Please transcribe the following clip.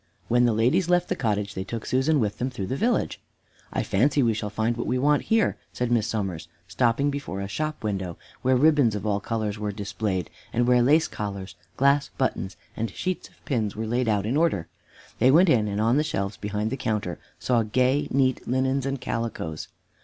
When the ladies left the cottage, they took Susan with them through the village. "I fancy we shall find what we want here," said Miss Somers, stopping before a shop window where ribbons of all colors were displayed, and where lace collars, glass buttons and sheets of pins were laid out in order. They went in, and on the shelves behind the counter saw gay, neat linens and calicoes.